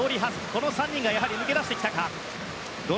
この３人が抜け出してきた。